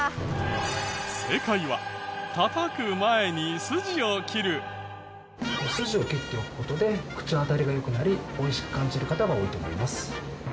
正解は筋を切っておく事で口当たりが良くなり美味しく感じる方が多いと思います。